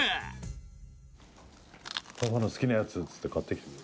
富澤：パパの好きなやつっつって買ってきてくれる。